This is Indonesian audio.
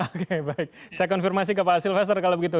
oke baik saya konfirmasi ke pak asylvasar kalau begitu